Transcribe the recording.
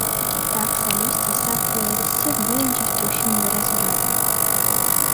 Так, Салюстий, Сапфо и Аристипп были распущенны до разврата.